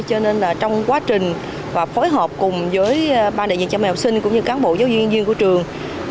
cho nên là trong quá trình và phối hợp cùng với ban đại diện cha mẹ học sinh cũng như cán bộ giáo viên viên của trường